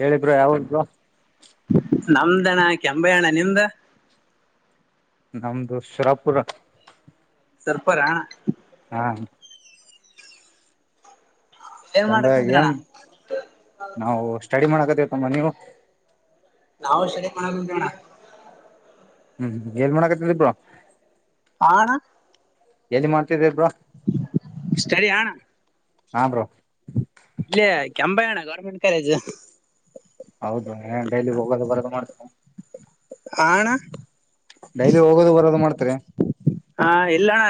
ಹೇಳಿ ಬ್ರೋ ಯಾವ ಊರು ಬ್ರೋ. ನಮ್ದಣ ಕೆಂಬೆ ಅಣ್ಣ ನಿಂದ. ನಮ್ದು ಶರಾಪುರ. ಸುರಪುರ ಹಾ. ಹಾ. ಏನ್ ಎಂಬ ಮಾಡಕಂತ್ರಣ್ಣ ಏನ್ ನಾವು ಸ್ಟಡಿ ಮಾಡಕ ತಿವಿ ತಮ್ಮ ನೀವು. ನಾವು ಸ್ಟಡಿ ಮಾಡಕ್ಕಕುಂತಿವಿ ಅಣ್ಣ. ಹ್ಮ್ ಏನ್ ಮಾಡಾಕತ್ತೀದೀ ಬ್ರೋ. ಹಾ ಅಣ್ಣ. ಎಲ್ಲಿ ಮಾಡ್ತಿದಿ ಬ್ರೋ. ಸ್ಟಡಿ ಹಾ ಅಣ್ಣ. ಹಾ ಬ್ರೋ. ಕೆಂಬೆ ಅಣ್ಣ ಗೌರ್ಮೆಂಟ್ ಕಾಲೇಜ್. ಹೌದು ಏನ್ ಡೈಲಿ ಹೋಗೋದು ಬರೋದು ಮಾಡ್ತ ಹಾ ಅಣ್ಣ. ಡೈಲಿ ಹೋಗೋದು ಬರೋದು ಮಾಡ್ತರಾ. ಹಾ ಇಲ್ಲಣ್ಣ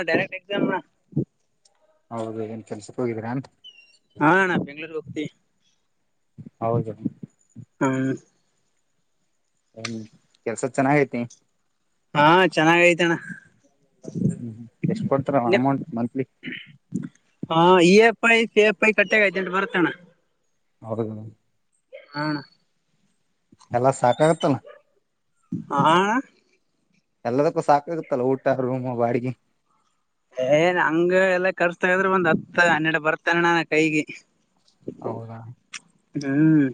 [unintelligible] ಹೌದು ಏನ್ ಕೆಲ್ಸಕ್ ಹೋಗಿದ್ರಾ ಎನ್. ಹಾ ಅಣ್ಣ ಬೆಂಗ್ಳೂರ್ ಹೋಗ್ತಿವಿ. ಹೌದು. ಹ್ಮ್. ಹ ಕೆಲ್ಸ ಚೆನ್ನಾಗೈತಿ. ಹಾ ಚೆನ್ನಾಗ ಐತಣ್ಣ. ಹ್ಮ ಎಷ್ಟ್ ಕೊಡ್ತಾರ ನಿಮ್ ಅಮೌಂಟ್ ಮಂತ್ಲಿ. ಪ್ಪಾಯಿ ಪಿಎಫ್ಐ ಕಟ್ಟಾಗಿ ಹದಿನೆಂಟಬರ್ತಣ. [unintelligible] ಹಾ ಅಣ್ಣ. ಎಲ್ಲ ಸಾಕಾಗತ್ತಲ್ಲ. ಹಾ ಅಣ್ಣ. ಎಲ್ಲದಕ್ಕೂ ಸಾಕಾಗತ್ತಲ್ಲ. ಊಟ, ರೂಮ್, ಬಾಡಿಗಿ ಏನ್ ಹಂಗ ಎಲ್ಲ ಖರ್ಚು ತೆಗದರ ಒಂದ್ ಹತ್ತ, ಹನ್ನೆಡು, ಬರ್ತನ ಎನ್ ಅಣ್ಣ ಕೈಗಿ. ಹೌದಾ. ಹ್ಮ್.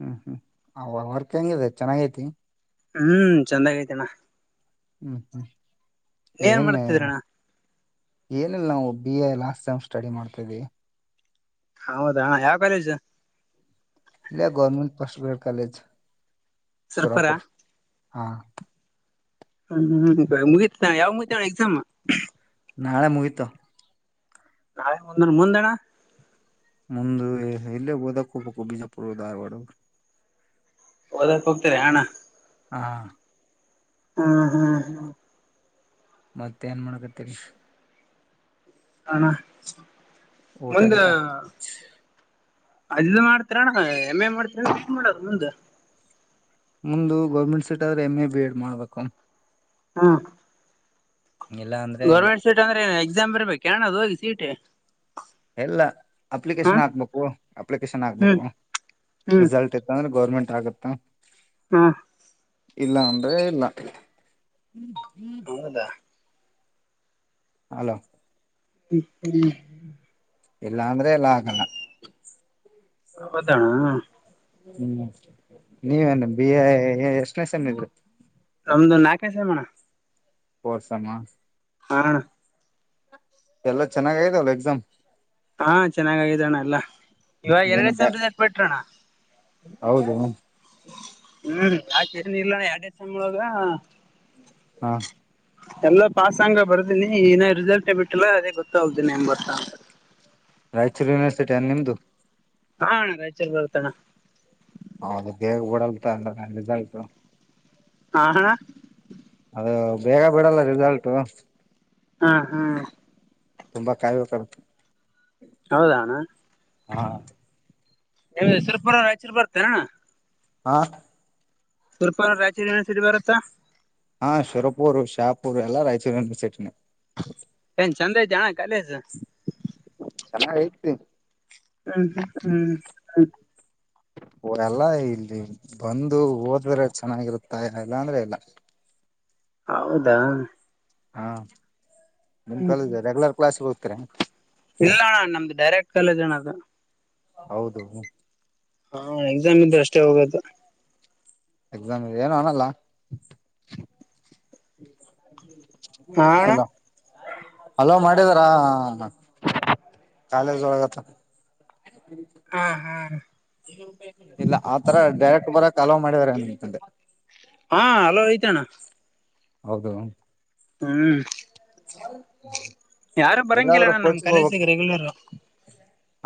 ಹ್ಮ್ ಹ್ಮ್ ಅವ ವರ್ಕ್ ಹೆಂಗಿದೆ ಚೆನ್ನಾಗೈತಿ. ಹ್ಮ್ ಚಂದಾಗಿ ಐತಿ ಅಣ್ಣ. [inaudible] ಏನ್ ಮಾಡ್ತಿದ್ರಣ್ಣ. ಏನಿಲ್ಲ ನಾವು B A last time study ಮಾಡ್ತ್ವಿ. ಹೌದಾ ಯಾವ ಕಾಲೇಜು ಇಲ್ಲೇ ಗೌರ್ಮೆಂಟ್ ಪೋಸ್ಟ್ ಗ್ರೇಡ್ ಕಾಲೇಜ್ ಸರ್ಪರ ಸೋರಪುರ್ ಹಾ ಹ್ಮ ಹ್ಮ ಮುಗಿತ ಯಾವ್ ಮುಗಿತಣ್ಣ ಎಕ್ಸಾಮ್ ನಾಳೆ ಮುಹಿತ ನಾಳೆ ಮುಂದ ಮುಂದಣ ಮುಂದ ಎಲ್ಲೇ ಓದಕ್ ಹೋಗ್ಬೇಕು ಬಿಜಾಪುರ ಧಾರವಾಡ ಓದಕ್ ಹೋಗ್ತರಿ ಅಣ ಹಾ [inaudible] ಮತ್ತ ಏನ್ ಮಾಡಕತ್ತರಿ ಅಣ ಊಟ ಮುಂದೆ ಗಿಟ ಅಲ್ ಮಾಡ್ತೀರಾ ಅಣ ಎಂ ಎ ಏನ್ ಮಾಡ್ತೀರಾ ಮುಂದು ಮುಂದು ಗೌರ್ಮೆಂಟ್ ಸೀಟ್ ಆದ್ರೆ ಎಮ್ ಎ ಬಿ ಎಡ್ ಮಾಡ್ಬೇಕು ಹಾ ಇಲ್ಲ ಅಂದ್ರೆ ಇಲ್ಲ ಗೌರ್ಮೆಂಟ್ ಸೀಟ್ ಅಂದ್ರೆ ಎಕ್ಸಾಮ್ ಬರಿಬೇಕ ಅಣ್ಣ ಅದು ಹೋಗಿ ಸೀಟ ಎಲ್ಲ ಅಪ್ಲಿಕೇಶನ್ ಹಾಕ್ಬೇಕು ಅಪ್ಲಿಕೇಶನ್ ಹ್ಮ್ ಹಾಕ್ಬೇಕು ಹ್ಮ್ ರಿಸಲ್ಟ್ ಇತ್ತ ಅಂದ್ರೆ ಗೌರ್ಮೆಂಟ್ ಆಗತ್ತಾ ಹಾ ಇಲ್ಲ ಅಂದ್ರೆ ಇಲ್ಲ ಹೌದಾ ಹಲೋ ಹ [unintelligible] ಇಲ್ಲ ಅಂದ್ರೆ ಎಲ್ಲ ಆಗಲ್ಲ ಹೌದ ಅಣ್ಣ ಹ್ಮ್ ನೀವೇನು ಬಿ ಎ ಎಷ್ಟನೇ ಸೇಮ್ ಇದು ನಮ್ದು ನಾಲ್ಕನೇ ಸೇಮ್ ಅಣ್ಣ ಪೋರ್ ಸೇಮ್ ಆ ಹ ಅಣ್ಣ ಎಲ್ಲ ಚೆನ್ನಾಗ ಆಗ್ಯಾದಲ್ಲಾ ಎಕ್ಸಾಮ್ ಹಾ ಚೆನ್ನಾಗ್ ಆಗಿದೆ ಅಣ್ಣ ಎಲ್ಲ ಇವಾಗ ಎರಡ ಏನು ಬ್ಯಾ [unintelligible] ಬಿಟ್ರೋಣ್ಣ ಹೌದು ಹ್ಮ್ ಯಾಕೆ ಏನ ಇಲ್ಲಾ ಅಣ್ಣ ಎರಡೇ ಸೇಮ್ ಒಳಗ ಹಾ [unintelligible] ಪಾಸ್ ಆಂಗ ಬರ್ದೀನಿ ಇನ್ನ ರಿಸಲ್ಟ್ ಬಿಟ್ಟಿಲ್ಲ ಅದೇ ಗೊತ್ತಾಗ್ದನಿ ಹೆಂಗ ಬರ್ತ ರಾಯಚೂರು ಯೂನಿವರ್ಸಿಟಿ ಏನ ನಿಮ್ದು ಹಾ ರಾಯಚೂರು ಬರ್ತಣ್ಣ ಅ ಬೇಗ ಓಡಲ್ ತ ರಿಸಲ್ಟ್ [unintelligible] [inaudible] ಹಾ ಅಣ್ಣ ಅದು ಬೇಗ ಬಿಡಲ್ಲ ರಿಸಲ್ಟು. ಹಾ ಹಾ. ತುಂಬಾ ಕಾಯಬೇಕಾಗತ್ ಹೌದಾ ಅಣ್ಣಾ. ಹಾ. ನಿಮ್ದು ಸುರಪುರ ರಾಯಚೂರ ಬರತ್ತನ್ ಅಣ್ಣಾ. ಹಾ. ಸುರ್ಪುರ್ ರಾಯಚೂರ ಯೂನಿವರ್ಸಿಟಿ ಬರುತ್ತಾ. ಹಾ ಸುರಪೂರ್ ಶಾಪೂರ್ ಎಲ್ಲಾ ರಾಯಚೂರು ಯನಿವರ್ಸಿಟಿನ. ಏನ್ ಚಂದ ಐತ ಅಣ್ಣಾ ಕಾಲೇಜ್. ಚೆನ್ನಾಗ ಐತಿ. ಹ್ಮ್ ಹ್ಮ್. ಎಲ್ಲಾ ಇಲ್ಲಿ ಬಂದು ಓದಿದ್ರೆ ಚೆನ್ನಾಗಿರುತ್ತ ಇಲ್ಲಾ ಅಂದ್ರೆ ಇಲ್ಲ. ಹೌದಾ. ಹಾ. ನಿಮ್ ಕಾಲೇಜ ರೆಗ್ಯುಲರ್ ಕ್ಲಾಸ್ಗ [unintelligible] ಇಲ್ಲಾ ಅಣ್ಣಾ ನಮ್ದು ಡೈರೆಕ್ಟ್ ಕಾಲೇಜ್ ಅಣ್ಣಾ ಅದ. ಹೌದು ಹಾ ಎಕ್ಸಾಮ್ ಇದ್ರ ಅಷ್ಟೇ ಹೋಗದು. ಎಕ್ಸಾಮ್ ಇದೆ ಏನು ಅನಲ್ಲ. ಹಾ ಅಣ್ಣ [unintelligible] ಮಾಡಿದ್ರ ಕಾಲೇಜ್ ಒಳಗಾದು. ಹಾ ಹಾ. ಇಲ್ಲ ಆತರ ಡೈರೆಕ್ಟ್ ಬರಕ ಅಲೋ ಮಾಡಿದಾರಾ ಅಂತ ಅಂದೆ. ಹಾ ಅಲೋ ಐತ ಅಣ್ಣಾ. ಹೌದು. ಹ್ಮ್ ಯಾರು ಬರಂಗಿಲ್ಲ ಎಲ್ಲಾದ್ರೂ ಅಣ್ಣಾ ನಮ್ ಕಾಲೇಜಿಗೆ ರೆಗ್ಯುಲರ್.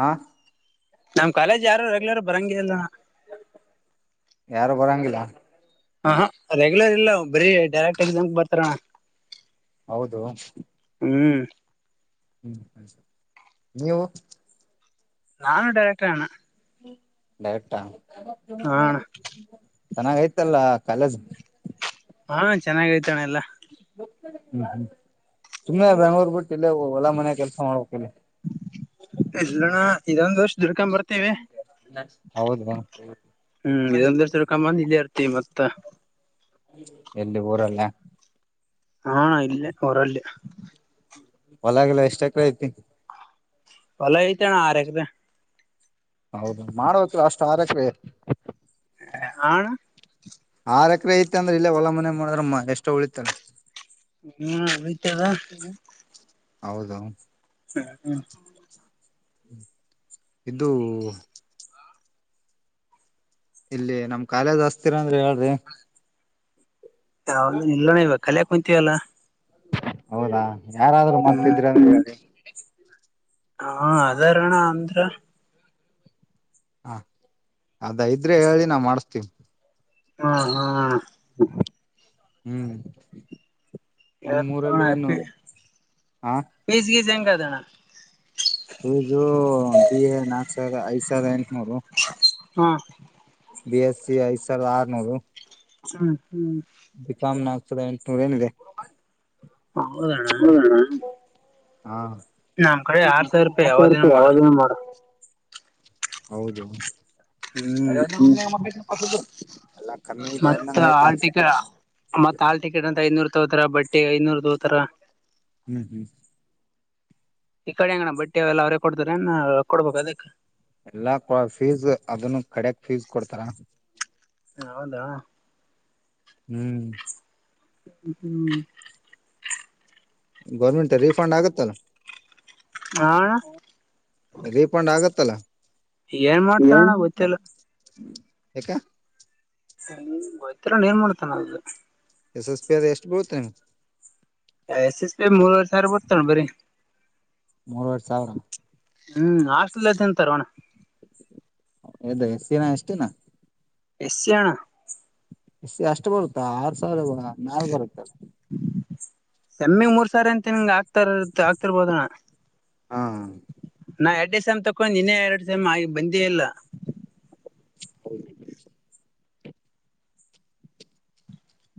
ಹಾಂ. ನಮ್ ಕಾಲೇಜ್ ಯಾರು ರೆಗ್ಯುಲರ್ ಬರಂಗೆ ಇಲ್ಲಾ ಅಣ್ಣಾ. ಯಾರು ಬರಂಗಿಲ್ಲ. ಹಹಾ ರೆಗ್ಯುಲರ್ ಇಲ್ಲ ಬರೀ ಡೈರೆಕ್ಟ್ ಎಕ್ಸಾಮ್ಗೆ ಬರ್ತಾರ ಅಣ್ಣಾ. ಹೌದು. ಹ್ಮ್. ಹ್ಮ್ ನೀವು. ನಾನು ಡೈರೆಕ್ಟರ್ಣ್ಣ. ಡೈರೆಕ್ಟ್. ಹಾ ಚೆನ್ನಾಗ ಐತಲ್ಲ. ಕಾಲಜ ಹಾ ಚೆನ್ನಾಗ ಐತನಾ ಎಲ್ಲಾ. [unintelligible] ತುಂಬಾ ಹೊಲ ಮನೆ ಕೆಲ್ಸ ಮಾಡ್ಬೇಕ ಇಲ್ಲಣ್ಣ ಇದೊಂದ್ ವರ್ಷ ದುಡ್ಕೊಂಡ್ ಬರ್ತೀವಿ ಹೌದ ರಾ. ಹ್ಮ್ ಇದೊಂದ್ ವರ್ಷ ದುಡ್ಕೊಂಡ್ [unintelligible] ಎಲ್ಲಿ ಊರಲ್ಲ. ಹಾ ಇಲ್ಲೇ ಊರಲ್ಲಿ. ಹೊಲಗಿಲಾ ಎಷ್ಟ ಎಕ್ರ ಐತಿ. ಹೊಲ ಐತಣ ಆರ ಎಕರೆ. ಹೌದು ಮಾಡ್ಬೇಕಲ ಅಷ್ಟು ಆರ ಎಕರೆ. ಹಾಣ ಆರ ಎಕರೆ ಐತೆ ಅಂದ್ರೆ ಇಲ್ಲೇ ಹೊಲ ಮನೆ ಮಾಡಿದ್ರ ಎಷ್ಟೋ ಉಳಿತಲ್ಲ. ಹ್ಮ ಉಳಿತದ. ಹೌದು ಹ ಹ್ಮ ಇದು ಇಲ್ಲಿ ನಮ್ ಕಾಲೇಜ್ ಹಸ್ತಿರ ಅಂದ್ರ ಹೇಳ್ರಿ. ಯಾವುದು ಇಲ್ಲಣ್ ಇವ ಕಲ್ಯಾಕ್ ಕು ತ್ತಿಯಲ್ಲ ಹೌದಾ ಯಾರಾದ್ರರು ಮತ್ತ ಹ್ಮ್ ಇದ್ರರಂದ್ರ ಹೇಳಿ. [inaudible] ಹಾ ಅದಾರಣ ಅಂದ್ರ. ಹಾ ಅದ ಇದ್ರೆ ಹೇಳಿ ನಾ ಮಾಡಸ್ತೀನ. ಹಾ ಹಾಣ್. ಹ್ಮ್ ನಿಮ್ ಎತ್ತಣ ಊರಲ್ಲಿ ಏನು ಇರ್ತೀವಿ ಪಿಜಿಗಿಜಿ ಹೆಂಗ - ಕದಣ ಹ ಜೋ ಬಿ ನಾಕ್ಸವಿರದ ಐ ಸಾವಿರದ [unintelligible] ಹ್ಮ್ ಬಿ ಎಸ್ ಸಿ ಐದ್ ಸಾವಿರದ ಆರ್ನೂರು. ಹ್ಮ್ ಹ್ಮ್ ಬಿಕಾಮ್ ನ ಆಗ್ತದ ನೋರೇನಿದೆ ಹೌದಣ್ಣ ಹೌದಣ. ಹಾ ನಮ್ ಕಡೆ ಆರ್ ಸಾವಿರ ರೂಪಾಯಿ ಆತಾ ಇರ್ತ ಯಾವ್ದನ ಮಾಡು ಯಾವದರ ಮಾಡ. ಹೌದು ಹ್ಮ ಎಲ್ಲಾ ಕಮ್ಮಿ ಇದೆ ಮತ್ತ ಅಂದಂಗ ಆಯ್ತ ಆ ಹಾಲ್ ಕಡೆ ಟಿಕೆಟ್ ಮತ್ತ ಹಾಲ್ ಟಿಕೆಟ್ ಅಂತ ಐದ್ನೂರ. ತೋತರ ಬಟ್ಟಿಗ ಐದ್ನೂರ ತೋತರ. ಹ್ಮ್ ಹ್ಮ ಈ ಕಡೆ ಹೆಂಗಣ ಬಟ್ಟಿಗಳೆಲ್ಲ ಎಲ್ಲಾ ಅವ್ರೆ - ಕೊಡ್ತರೆನ ರೊಕ್ಕುಡ್ಬೇಕ ಅದಕ್. ಎಲ್ಲಾಪ ಫೀಸ್ ಅದನ್ನು. ಕಡಕ್ ಫೀಸ್ ಕೊಡ್ತಾರ ಹೌದಾ ಹ್ಮ್ ಹ್ಮ್ [inaudible] ಗೌರ್ಮೆಂಟ್ ರೀಫಂಡ್ ಆಗತ್ತಲ್ಲ ಹಾ ರೀಫಂಡ್ ಆಗತ್ತ ತಲ್ [inaudible] [unintelligible] ಏನ್ ಮಾಡ್ತಾರ ನಾ ಗೊತ್ತಿಲ್ಲ ಯಾಕ ಹ ಗೋತ್ತಿಲ್ಲ ಏನ್ ಮಾಡ್ತಾನ ಅದು ಎಸ್ ಎಸ್ ಪಿ ಅದ ಎಷ್ಟ ಬರುತ್ತೆ ನಿಮ್ ಎಸ್ ಎಸ್ ಪಿ ಮೂರು ಸರ್ ಬರ್ತರ ಬರಿ ಮೂರ್ವರೆ ಸಾವಿರ ಹ್ಮ್ ಆಸ್ಟ್ರೇಲಿಯ ತಿಂತಾರೋಣ ಎಸೀ ನ ಎಸ್ಟೀನಾ ಎಸಿ ಅಣ್ಣಾ ಎ ಅಷ್ಟು ಬರುತ್ತಾ ಆರ್ ಸಾವಿರ ನಾಲ್ ಬರುತ್ತ ಎಮ್ಮಿ ಗೆ ಮೂರ್ ಸಾರಿ ಅಂತ ಹಿಂಗೆ ಆಗ್ತ ಆಗ್ತಿರ್ಬೋದಣ್ಣ ಹಾ ನಾ ಎರಡ್ ಸೇಮ್ ತಕೊಂಡ್ ನಿನ್ನೇ ಎರಡು ಸೇಮ್ ಬಂದೇ ಇಲ್ಲ ಹೌದು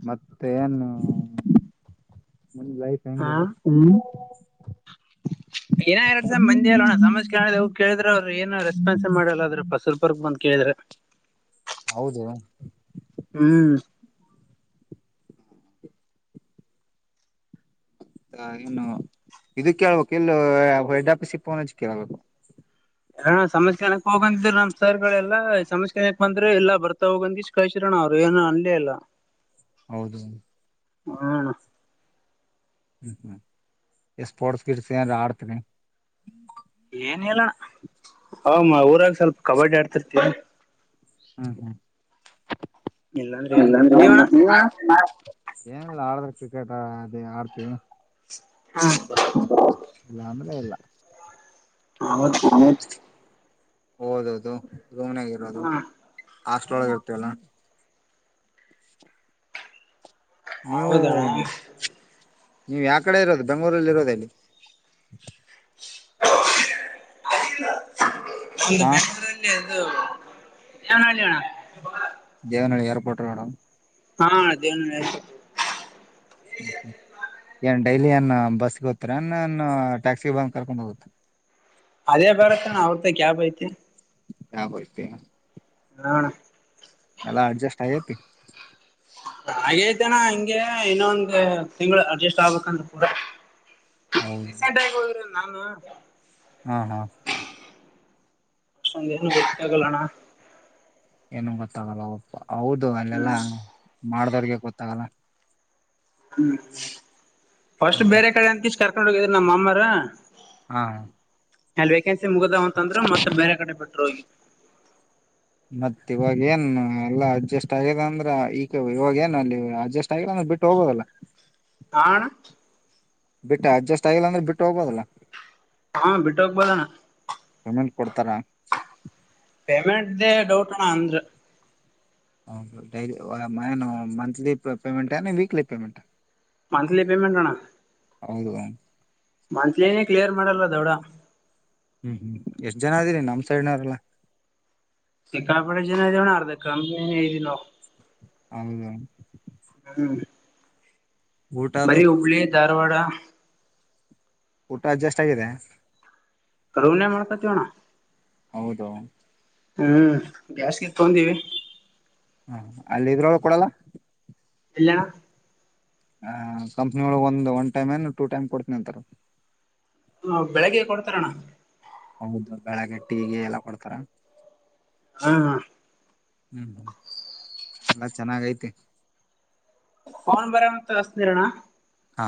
ಮತ್ತೆ ಏನು ನಿಂದ ಲೈಫ್ ಹೆಂಗೆ ಏನ ಎರಡ್ ಸಲ ಬಂದ್ಯಲ್ಲಣ ಸಮಾಜ ಕ ಹೋಗ ಕೇಳಿದ್ರ ಅವ್ರರು ಏನು ರೆಸ್ಪಾನ್ಸ್ ಮಾಡಲ್ಲ ಅದ್ರಪ್ಪ ಸ್ವಲ್ಪರ್ಗ್ ಬಂದ್ ಕೇಳಿದ್ರ ಹೌದು ಹ್ಮ್ ಹ ಏನು ಇದಕ್ ಕೇಳ್ಬೇಕು ಇಲ್ಲ ಹೆಡ್ ಆಫೀಸ್ ಇಪ್ಪೋನಜ್ ಕೇಳ್ಬೇಕು ಎಣ್ಣ ಸಮಸ್ಕರಣಕ್ ಹೋಗಂತಿದ ನಮ್ ಸರ್ಗಳೆಲ್ಲಾ ಸಮಸ್ಕರಣಕ್ ಬಂದ್ರೆ ಎಲ್ಲಾ ಬರ್ತಾ ಹೋಗಂದ ಇಷ್ಟ ಕಳ್ಸಿರೋಣ ಅವ್ರು ಏನ ಅಲ್ಲೇ ಎಲ್ಲ ಹೌದು ಹ್ಮ ಹ್ಮ್ ಹ್ಮ್ ಎ ಸ್ಪೋರ್ಟ್ಸ್ ಗಿಡ್ಸ್ ಏನ್ ಆಡ್ತನಿ ಏನ್ ಹೇಳಲ್ಲಣ ಅವಮ್ಮ ಊರಾಗ ಸ್ವಲ್ಪ ಕಬಡ್ಡಿ ಆಡ್ತಿರ್ತವಿ ಹ್ಮ ಹ್ಮ ಏನ ಇಲ್ಲಾಂದ್ರೆ ನೀವಣ ಏನ್ ಏನಲ್ಲ ಆಡಿದ್ರ ಕ್ರಿಕೆಟ್ ಅದೇ ಆಡ್ತಿವಿ ಹಾ ಇಲ್ಲ ಅಂದ್ರೆ ಇಲ್ಲ ಹೌದ ಹೌದು ಓದೋದು ರೂಮನಗ ಇರೋದು ಹ ಹಾಸ್ಟೆಲ್ ಒಳಗೆ ಇರ್ತವಲ್ಲ [inaudible] ಹೌದ ನೀವು ಯಾವ ಕಡೆ ಇರೋದು ಬೆಂಗಗಳೂರಲ್ಲಿ ಇರೋದೆ ನೀವು [inaudible] ಒಂದು ಹಾ ಬೆಂಗಳೂರಲ್ಲಿ. ದೇವನಹಳ್ಳಿ ಅಣ್ಣ. ದೇವನಹಳ್ಳಿ ಎರಪೋರ್ಟ್ ರೋಡ್ ಹಾ ದೇವನಹಳ್ಳಿ ಏರ್ಪೋರ್ಟ್ ರೋಡ್. ಏನ್ ಡೈಲಿ ಅನ್ನ ಬಸ್ಗೆ ಹೋತ್ತರ ಅನ್ನ ಟ್ಯಾಕ್ಸಿ ಬಂದ ಕರ್ಕೊಂಡ್ ಹೋಗುತ್ತ. ಅದೇ ಬರತ್ತ ನ ಅವರದ ಕ್ಯಾಬ್ ಐತಿ. ಕ್ಯಾಬ್ ಐತಿ. ಹ ಎಲ್ಲ ಅಡ್ಜಸ್ಟ್ ಆಗೆತಿ ಹಾಗೇ ಐತನಾ ಹಿಂಗೆ ಇನ್ನೊಂದು ತಿಂಗಳು ಅಡ್ಜಸ್ಟ್ ಆಗ್ಬೇಕಂದ್ರೆ ಕೂಡ. ಹೌದು ರೀಸೆಂಟ್ ಆಗಿ ಹೋದರು. ನಾನು ಹಾ ಹಾ ಅಷ್ಟೊಂದ್ ಏನು ಗೊತ್ತಾ ಆಗಲ್ಲ ಅಣ್ಣ. ಏನು ಗೊತ್ತಾಗಲ್ಲ ಒಪ್ಪ ಹೌದು ಹ್ಮ್ ಅಲ್ಲೆಲ್ಲಾ ಮಾಡ ನಮ್ಮೂಹಂತವರಿಗೆ ಗೊತ್ತಾಗಲ್ಲ. ಹ್ಮ್ ಫಸ್ಟ್ ಹ್ಮ್ ಹ್ಮ್ ಬೇರೆ ಕಡೆ ಅಂತ ಇ ಕರ್ಕೊಂಡು ಹೋಗಿದ್ದರ ನಮ್ಮ ಮಾಮ್ಮರ ಹಾ ಹೇಳ್ಬೇಕ. ಮುಗದಾವ್ ಅಂತ ಅಂದ್ರೆ ಮತ್ತೆ ಬೇರೆ ಕಡೆ ಬಿಟ್ಟ್ರ ಹೋಗಿ. ಮತ್ತ ಇವಾಗ ಏನ್ ಎಲ್ಲಾ ಅಡ್ಜಸ್ಟ್ ಆಗಿದೆ ಅಂದ್ರ ಈಗ ಇವಾಗ ಏನು ಅಲ್ಲಿ ಅಡ್ಜಸ್ಟ್ ಆಗಿಲ್ಲ ಅಂದ್ರೆ ಬಿಟ್ಟು ಹೋಗೋದಲ್ಲ ಹಾ ಅಣ್ಣ. ಬಿಟ್ಟ ಅಡ್ಜಸ್ಟ್ ಆಗಿಲ್ಲ ಅಂದ್ರೆ ಬಿಟ್ಟು ಹೋಗೋಬದಲ್ಲ. ಹಾ ಬಿಟ್ಟಹೋಗಬಹುದು ಅಣ್ಣ. ಪೇಮೆಂಟ್ ಕೊಡ್ತಾರ ಪೇಮೆಂಟದೆ ಡೌಟ್ ಅಣ ಅಂದ್ರ ಹ ಏನ monthly payment weekly payment. Monthly payment ಅಣ್ಣ ಹೌದು. ಮಂತ್ಲಿನೇ ಕ್ಲಿಯರ್ ಮಾಡಲ್ಲ ದೊಡ ಹ್ಮ್ ಹ್ಮ್ ಎಷ್ಟ್ ಜನ ಆದಿರಿ ನಮ್ ಸೈಡ್ನವ್ರಲ್. ಸಿಕ್ಕಾಪಟ್ಟೆ ಜನ ಇದೀವಿ ಅಣ್ಣ ಅರ್ದ ಕಂಪನಿ ನೇ ಹಿಡಿದಿಲ್ಲ ಹೌದಾ ಊಟ ಅದು ಬರಿ ಹುಬ್ಬಳ್ಳಿ ಧಾರವಾಡ. ಊಟ ಅಡ್ಜಸ್ಟ್ ಆಗಿದೆ. ರೂಮ್ ನಾಗ ಮಾಡ್ಕತಿವಿ ಅಣ್ಣ. ಹೌದು ಹ್ಮ್ ಗ್ಯಾಸ್ಗೆ ತೊಂಡೀವಿ ಹ ಅಲ್ಲಿ ಇದ್ರೊಳ ಕೊಡಲ್ಲ ಎಲ್ಲಣ ಹ ಕಂಪ್ನಿ ಒಳಗ್ ಒಂದು ಒನ್ ಟೈಮ್ ಏನು ಟೂ ಟೈಮ್ ಕೊಡ್ತೀನಿ ಅಂತಾರ ಹ ಬೆಳಗ್ಗೆ ಕೊಡ್ತಾರಣ ಹೌದು ಬೆಳಗ್ಗೆ ಟೀಗೆ ಎಲ್ಲ ಕೊಡ್ತಾರ ಹಾ ಹ್ಮ್ ಹ್ಮ ಎಲ್ಲ ಚೆನ್ನಾಗಐತೆ ಅವನ್ ಬರ ಮತ್ ಹಸನಿರೋಣ ಹಾ